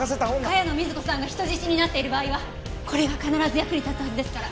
茅野瑞子さんが人質になっている場合はこれが必ず役に立つはずですから。